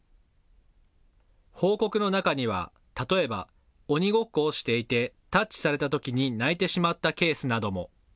報告の中には、例えば鬼ごっこをしていてタッチされたときに泣いてしまったケースなども。